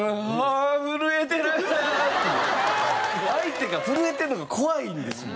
相手が震えてるのが怖いんですもん。